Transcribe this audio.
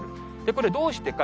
これ、どうしてか。